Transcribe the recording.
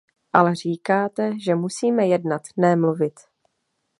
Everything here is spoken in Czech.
Ale říkáte, že musíme jednat, ne mluvit.